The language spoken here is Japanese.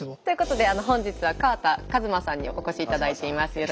ということで本日は川田一馬さんにお越し頂いています。